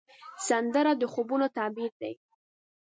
سندره د خوبونو تعبیر دی